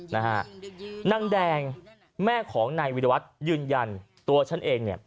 นางแดงแม่ของนายวิรวัตรยืนยันตัวฉันเองเนี่ย